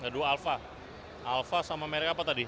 dua alfa alfa sama merek apa tadi